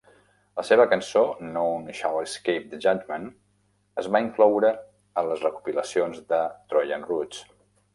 La seva cançó None Shall Escape the Judgement es va incloure a les recopilacions de Trojan Roots.